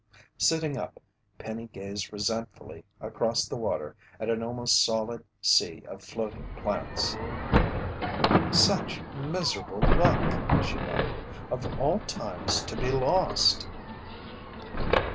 Sitting up, Penny gazed resentfully across the water at an almost solid sea of floating plants. "Such miserable luck!" she muttered. "Of all times to be lost!"